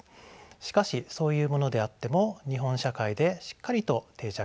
しかしそういうものであっても日本社会でしっかりと定着しています。